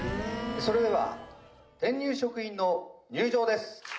それでは、転入職員の入場です。